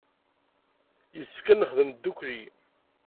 Yessefk ad nexdem ddukkli.